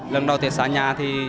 lần đầu tiệc xa nhà thì